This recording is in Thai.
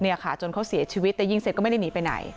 เนี่ยค่ะจนเขาเสียชีวิตแต่ยิงเสร็จก็ไม่ได้หนีไปไหน